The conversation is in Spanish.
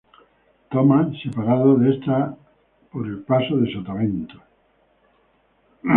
Thomas, separados de esta por el paso de sotavento.